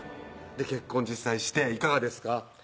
結婚実際していかがですか？